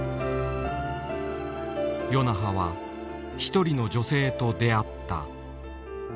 与那覇は一人の女性と出会った。